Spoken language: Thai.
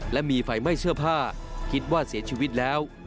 และมีไฟไหม้เสื้อผ้าคิดว่าเสียชีวิตแล้ว